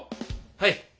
はい。